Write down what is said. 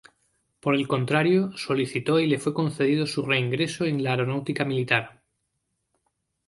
Por el contrario, solicitó y le fue concedido su reingreso en la Aeronáutica Militar.